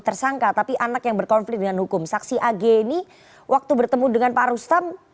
tersangka tapi anak yang berkonflik dengan hukum saksi ag ini waktu bertemu dengan pak rustam